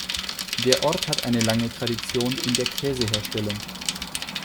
Der Ort hat eine lange Tradition in der Käseherstellung.